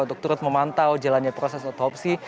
untuk terus memantau jalannya proses otopsi